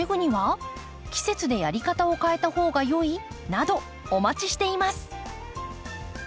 などお待ちしています。